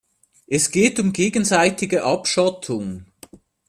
Es geht um gegenseitige Abschottung.